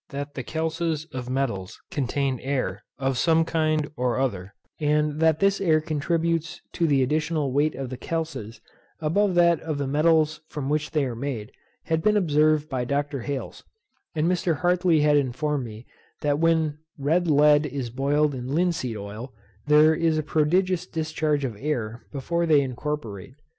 That the calces of metals contain air, of some kind or other, and that this air contributes to the additional weight of the calces, above that of the metals from which they are made, had been observed by Dr. Hales; and Mr. Hartley had informed me, that when red lead is boiled in linseed oil, there is a prodigious discharge of air before they incorporate.